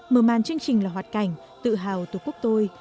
mở màn chương trình là hoạt cảnh tự hào tổ quốc tôi